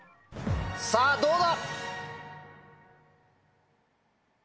さぁどうだ？